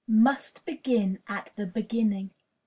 Must begin at the Beginning.